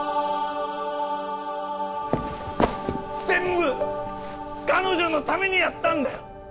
全部彼女のためにやったんだよ